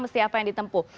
mesti apa yang ditempuh